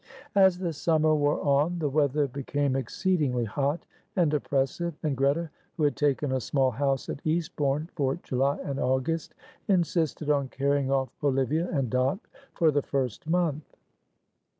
As the summer wore on the weather became exceedingly hot and oppressive, and Greta, who had taken a small house at Eastbourne for July and August, insisted on carrying off Olivia and Dot for the first month.